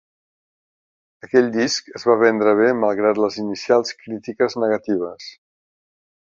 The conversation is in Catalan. Aquell disc es va vendre bé malgrat les inicials crítiques negatives.